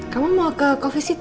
kamu sudah siap